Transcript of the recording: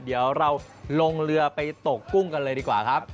เดี๋ยวเราลงเรือไปตกกุ้งกันเลยดีกว่าครับ